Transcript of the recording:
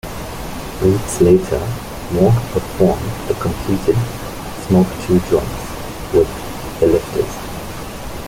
Weeks later, Mawg performed the completed "Smoke Two Joints" with "The Lifters".